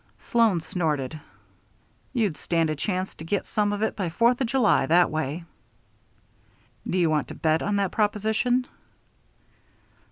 Sloan snorted. "You'd stand a chance to get some of it by Fourth of July that way." "Do you want to bet on that proposition?"